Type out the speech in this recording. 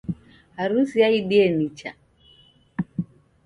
Harusi yaidie nicha